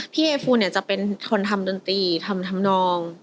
เอฟูเนี่ยจะเป็นคนทำดนตรีทำทำนอง